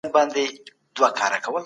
سالم ذهن هدف نه خرابوي.